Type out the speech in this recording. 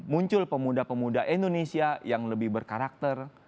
muncul pemuda pemuda indonesia yang lebih berkarakter